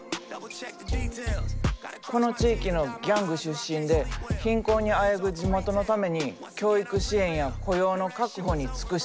この地域のギャング出身で貧困にあえぐ地元のために教育支援や雇用の確保に尽くしたんや。